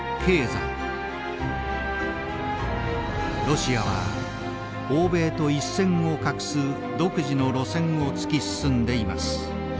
ロシアは欧米と一線を画す独自の路線を突き進んでいます。